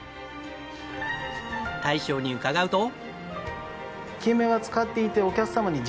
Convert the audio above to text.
大将に伺うと。